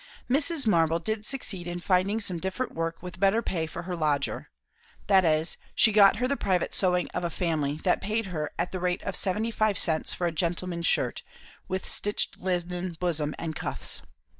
Mrs. Marble did succeed in finding some different work with better pay for her lodger; that is, she got her the private sewing of a family that paid her at the rate of seventy five cents for a gentleman's shirt, with stitched linen bosom and cuffs.